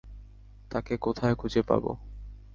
তাকে কোথায় খুঁজে পাবো?